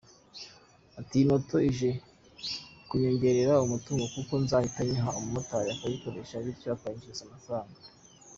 Ati “Iyi moto ije kunyongerera umutungo kuko nzahita nyiha umumotari akayikoresha bityo ikanyinjiriza amafaranga.